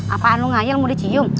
apaan lu ngayel mau dicium